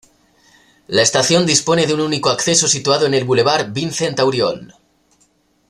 La estación dispone de un único acceso situado en el bulevar Vincent Auriol.